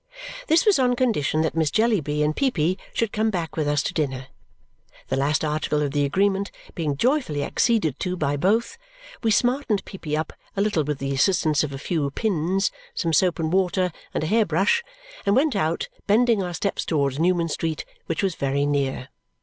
This was on condition that Miss Jellyby and Peepy should come back with us to dinner. The last article of the agreement being joyfully acceded to by both, we smartened Peepy up a little with the assistance of a few pins, some soap and water, and a hair brush, and went out, bending our steps towards Newman Street, which was very near.